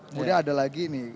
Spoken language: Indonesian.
kemudian ada lagi nih